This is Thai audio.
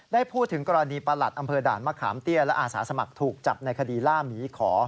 ได้พูดถึงกรณีประหลัดอำเภอด่านมะขามเตี้ยและอาสาสมัครถูกจับในคดีล่าหมีขอ